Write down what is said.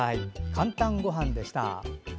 「かんたんごはん」でした。